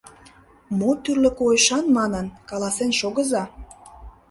Мо тӱрлӧ койышан манын, каласен шогыза.